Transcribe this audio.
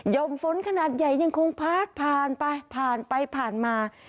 ยอมฝนขนาดใหญ่ยังคงพัดผ่านไปไปผ่านมา